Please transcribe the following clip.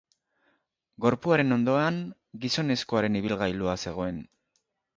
Gorpuaren ondoan gizonezkoaren ibilgailua zegoen.